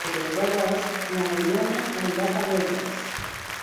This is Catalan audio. El deu d'agost na Mariona anirà a Penelles.